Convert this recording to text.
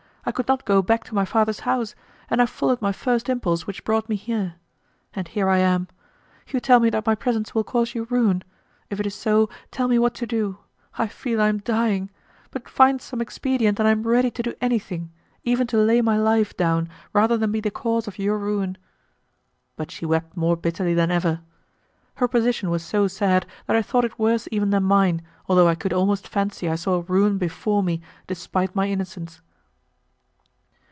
I could not go back to my father's house, and I followed my first impulse which brought me here. And here I am! You tell me that my presence will cause your ruin; if it is so, tell me what to do; I feel I am dying; but find some expedient and I am ready to do anything, even to lay my life down, rather than be the cause of your ruin." But she wept more bitterly than ever. Her position was so sad that I thought it worse even than mine, although I could almost fancy I saw ruin before me despite my innocence.